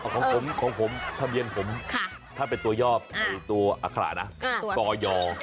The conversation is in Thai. ของผมของผมทะเบียนผมถ้าเป็นตัวยอบตัวอัคระนะกอย